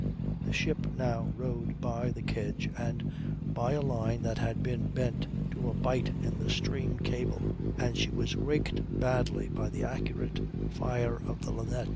The ship now rode by the kedge and by a line that had been bent to a bight in the stream cable, and she was raked badly by the accurate fire of the Linnet.